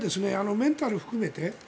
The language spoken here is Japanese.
メンタル含めて。